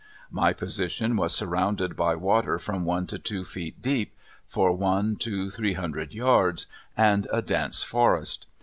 My position was surrounded by water from one to two feet deep for one to three hundred yards, and a dense forest.